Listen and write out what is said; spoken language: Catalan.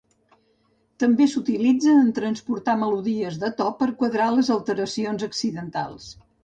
També s'utilitza en transportar melodies de to per quadrar les alteracions accidentals.